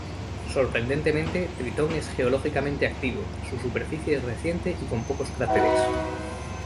Sorprendentemente, Tritón es geológicamente activo; su superficie es reciente y con pocos cráteres.